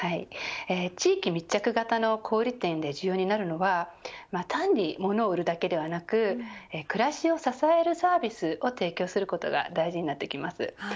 地域密着型の小売店で重要になるのは単にものを売るだけでなく暮らしを支えるサービスを提供することが大事になってきます。